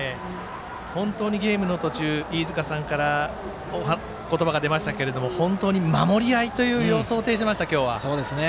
本当にゲームの途中飯塚さんから言葉が出ましたけど本当に守り合いという様相をていしました。